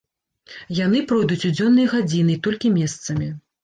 Яны пройдуць у дзённыя гадзіны і толькі месцамі.